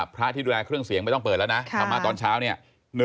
พระที่ดูแลเครื่องเสียงไม่ต้องเปิดแล้วนะธรรมะตอนเช้าเนี่ย